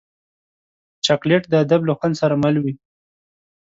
چاکلېټ د ادب له خوند سره مل وي.